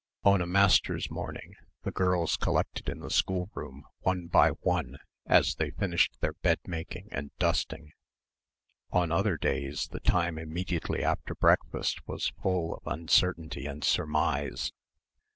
On a master's morning the girls collected in the schoolroom one by one as they finished their bed making and dusting. On other days the time immediately after breakfast was full of uncertainty and surmise.